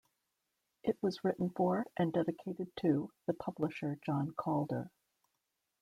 It was written for and dedicated to the publisher John Calder.